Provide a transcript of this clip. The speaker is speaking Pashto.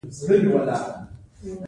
هغه انګېرله چې خسرو به تخت ونیسي.